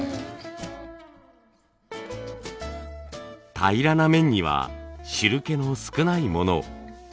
平らな面には汁けの少ないものを。